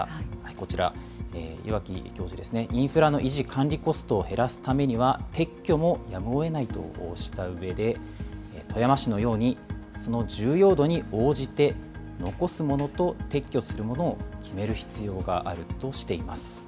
こちら、岩城教授ですね、インフラの維持管理コストを減らすためには、撤去もやむをえないとしたうえで、富山市のように、その重要度に応じて、残すものと撤去するものを決める必要があるとしています。